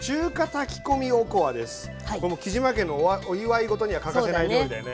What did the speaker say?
この杵島家のお祝いごとには欠かせない料理だよね。